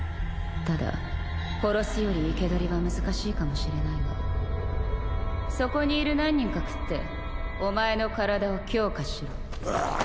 ただ殺すより生け捕りは難しいかもしれないがそこにいる何人か喰ってお前の体を強化しろ